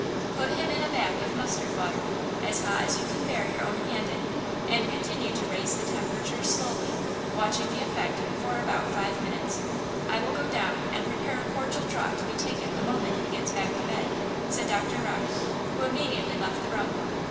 "Put him in a bath of mustard water, as hot as you can bear your own hand in and continue to raise the temperature slowly, watching the effect, for about five minutes. I will go down and prepare a cordial draught to be taken the moment he gets back to bed," said Doctor Rocke, who immediately left the room.